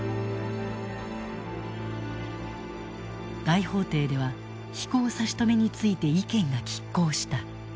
大法廷では飛行差し止めについて意見が拮抗した。